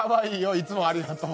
いつもありがとう。